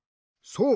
そう。